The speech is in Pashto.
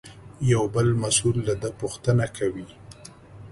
یو بل مسوول له ده پوښتنه کوي.